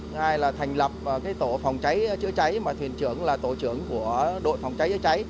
thứ hai là thành lập tổ phòng cháy chữa cháy mà thuyền trưởng là tổ trưởng của đội phòng cháy chữa cháy